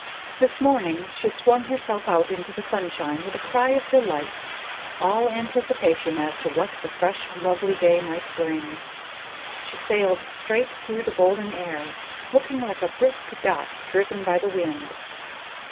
This morning she swung herself out into the sunshine with a cry of delight, all anticipation as to what the fresh, lovely day might bring. She sailed straight through the golden air, looking like a brisk dot driven by the wind.